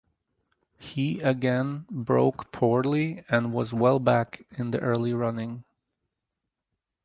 He again broke poorly and was well back in the early running.